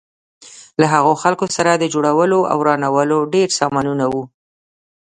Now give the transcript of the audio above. له هغو خلکو سره د جوړولو او ورانولو ډېر سامانونه وو.